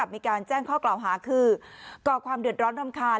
มีการแจ้งข้อกล่าวหาคือก่อความเดือดร้อนรำคาญ